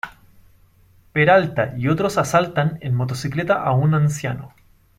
Peralta y otros asaltan en motocicleta a un anciano.